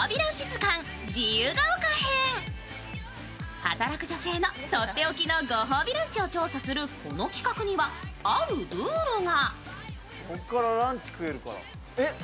働く女性のとっておきのご褒美ランチを調査するこの企画には、あるルールが。